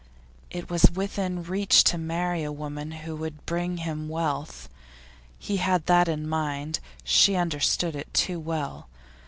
It was within his reach to marry a woman who would bring him wealth. He had that in mind; she understood it too well.